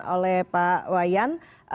oleh pak wayan